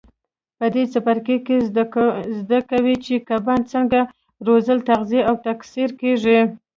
په دې څپرکي کې زده کوئ چې کبان څنګه روزل تغذیه او تکثیر کېږي.